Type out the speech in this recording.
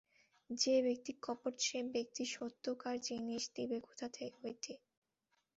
যে ব্যাক্তি কপট সে ব্যক্তি সত্যকার জিনিস দিবে কোথা হইতে?